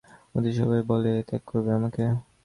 মতি সভয়ে বলে, ত্যাগ করবে আমাকে?